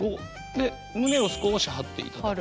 で胸を少し張っていただくと。